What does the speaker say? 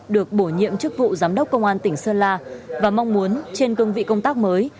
được bổ nhiệm chức vụ giám đốc công an tỉnh sơn la và mong muốn trên cương vị công tác mới